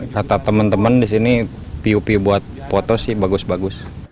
rata teman teman di sini piu piu buat foto sih bagus bagus